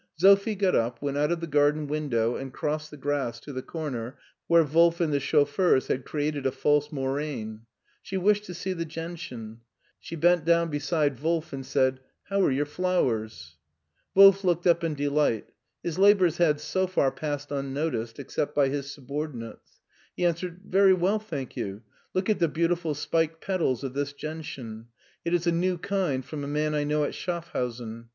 Sophie got up, went out of the garden window, and crossed the grass to the comer where Wolf and the chauffeurs had created a false moraine. She wished to see the gentian. She bent down beside Wolf and said :" How are your flowers ?Wolf looked up in delight. His labors had so far passed tmnoticed except by his subordinates. He answered :" Very well, thank you. Look at the beautiful spiked petals of this gentian. It is a new kind from a man I know at Schaffhausen.